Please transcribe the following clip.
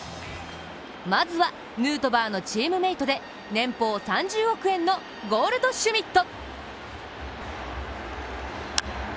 まずはヌートバーのチームメートで年俸３０億円のゴールドシュミット。